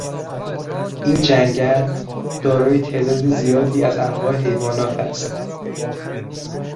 این جنگل دارای تعداد زیادی از انواع حیوانات است.